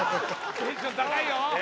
テンション高いよ！